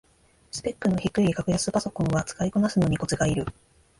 スペックの低い格安パソコンは使いこなすのにコツがいる